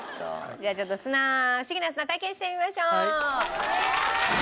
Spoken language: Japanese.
じゃあちょっとフシギな砂体験してみましょう。